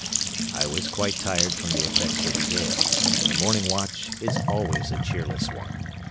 I was quite tired from the effects of the gale, and the morning watch is always a cheerless one.